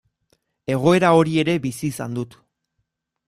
Egoera hori ere bizi izan dut.